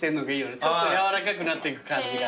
ちょっと軟らかくなっていく感じが。